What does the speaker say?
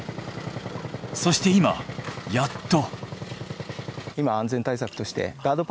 そして今やっと。